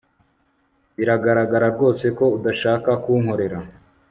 biragaragara rwose ko udashaka kunkorera